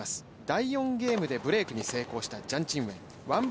第４ゲームでブレークに成功したジャン・チンウェン。